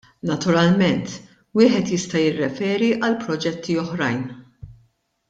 Naturalment wieħed jista' jirriferi għal proġetti oħrajn.